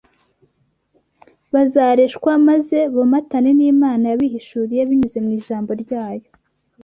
Bazareshwa maze bomatane n’Imana yabihishuriye binyuze mu Ijambo ryayo